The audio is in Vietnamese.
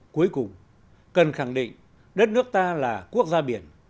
cuối cùng cần khẳng định đất nước ta là quốc gia biển